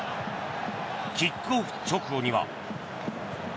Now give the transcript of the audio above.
キックオフ直後には。